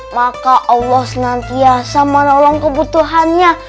maka allah senantiasa menolong kebutuhannya